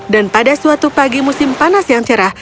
dan pada suatu pagi musim panas yang cerah